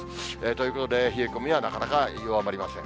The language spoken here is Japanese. ということで、冷え込みはなかなか弱まりません。